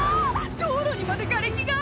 道路にまでがれきが」